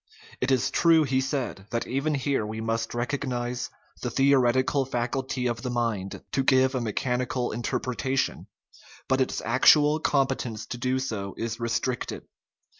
It is true, he said, that even here we must recognize the theoretical faculty of the mind to give a mechanical interpretation, but its actual competence to do so is restricted.